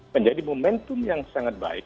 menjadi momentum yang sangat baik